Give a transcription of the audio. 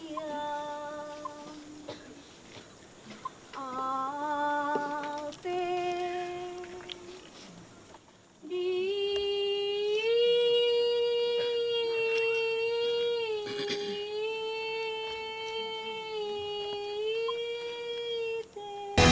tuan ana mengingatkan pada tuhan